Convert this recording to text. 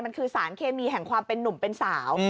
มันคือสารเคมีแห่งความเป็นนุ่มเป็นสาว